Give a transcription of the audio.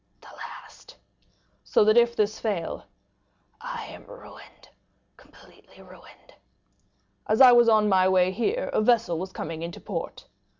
"The last." "So that if this fail——" "I am ruined,—completely ruined!" "As I was on my way here, a vessel was coming into port."